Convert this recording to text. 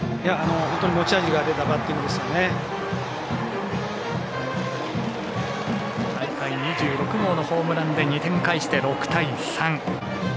本当に持ち味が出た大会２６号のホームランで２点返して６対３。